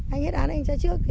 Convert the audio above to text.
anh hết án anh ra trước